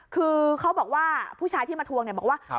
คือเขาบอกว่าผู้ชายที่มาทวงเนี่ยบอกว่า